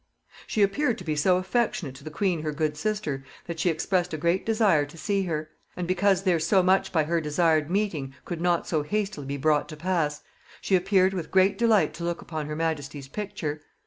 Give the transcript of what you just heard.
"She appeared to be so affectionate to the queen her good sister, that she expressed a great desire to see her. And because their so much by her desired meeting could not so hastily be brought to pass, she appeared with great delight to look upon her majesty's picture.